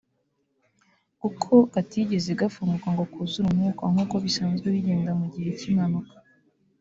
kuko katigeze gafunguka ngo kuzure umwuka nk’uko bisanzwe bigenda mu gihe cy’impanuka